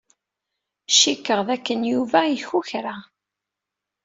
Cikkeɣ dakken Yuba ikukra.